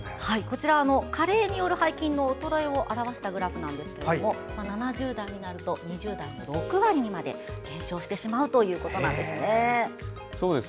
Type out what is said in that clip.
加齢による背筋の衰えを表したグラフですが７０代になると２０代の６割にまで減少してしまうということです。